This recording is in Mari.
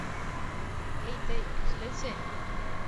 Эй, тый, кӱслезе!